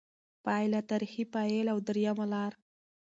پایله: «تاریخي فاعل» او درېیمه لار